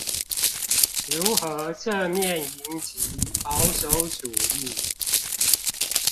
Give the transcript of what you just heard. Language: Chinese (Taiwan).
如何正面迎擊保守主義